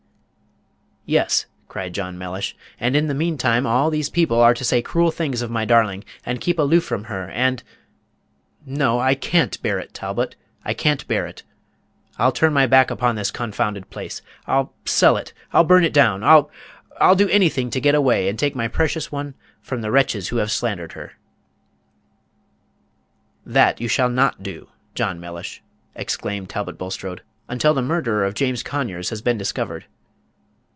"Yes," cried John Mellish; "and, in the meantime, all these people are to say cruel things of my darling, and keep aloof from her, and No, I can't bear it, Talbot, I can't bear it. I'll turn my back upon this confounded place. I'll sell it; I'll burn it down; I'll I'll do anything to get away, and take my precious one from the wretches who have slandered her!" "That you shall not do, John Mellish," exclaimed Talbot Bulstrode, "until the murderer of James Conyers has been discovered.